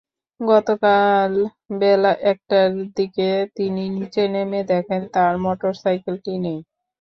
গতকাল বেলা একটার দিকে তিনি নিচে নেমে দেখেন তাঁর মোটরসাইকেলটি নেই।